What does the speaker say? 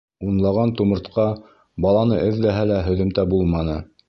Унлаған тумыртҡа баланы эҙләһә лә һөҙөмтә булманы.